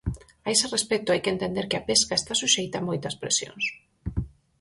A ese respecto hai que entender que a pesca está suxeita a moitas presións.